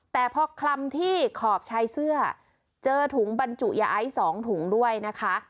แต่พอคลำที่ขอบชายเสื้อเจอถุงบรรจุยาไอซ์๒ถุงด้วยนะคะ